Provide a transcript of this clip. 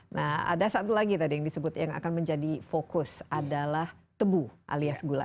nah ada satu lagi tadi yang disebut yang akan menjadi fokus adalah tebu alias gula